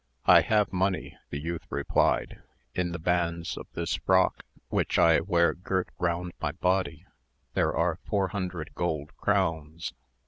"I have money," the youth replied; "in the bands of this frock, which I wear girt round my body, there are four hundred gold crowns."